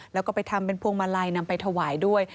แล้วก็ไปทำเป็นพวงมาลัยนำไปถวายด้วย